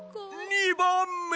２ばんめ！